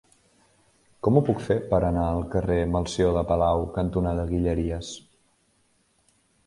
Com ho puc fer per anar al carrer Melcior de Palau cantonada Guilleries?